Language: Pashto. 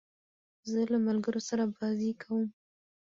زه له ملګرو سره بازۍ کوم.